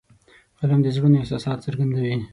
قلم د زړونو احساسات څرګندوي